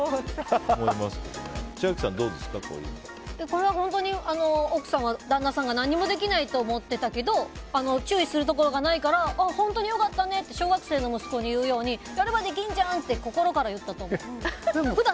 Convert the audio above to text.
これは本当に奥さんが旦那さんが何もできないと思ってたけど注意するところがないから本当に良かったねって小学生の息子に言うようにやればできんじゃん！って心から言ったと思う。